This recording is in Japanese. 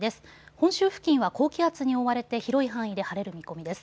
本州付近は高気圧に覆われて広い範囲で晴れる見込みです。